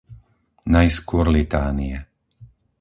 Najskôr litánie.